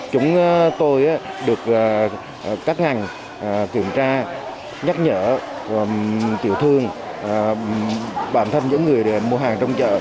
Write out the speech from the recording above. chúng tôi được các ngành kiểm tra nhắc nhở tiểu thương bản thân những người mua hàng trong chợ